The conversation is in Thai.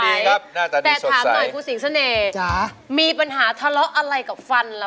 แต่ถามหน่อยคุณสิงเสน่ห์มีปัญหาทะเลาะอะไรกับฟันล่ะ